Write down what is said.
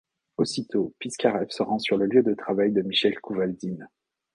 Aussitôt, Piskarev se rend sur le lieu de travail de Michel Kouvaldine.